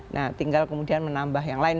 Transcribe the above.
nah tinggal kemudian menambah yang lain